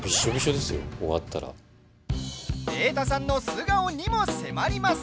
瑛太さんの素顔にも迫ります。